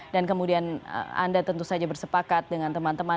dan kemudian anda tentu saja bersepakat dengan teman teman